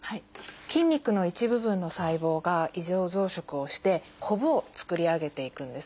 筋肉の一部分の細胞が異常増殖をしてコブを作り上げていくんですね。